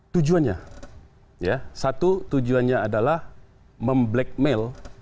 tujuannya satu tujuannya adalah memblackmail